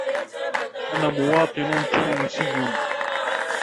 أنا مواطن تونسي.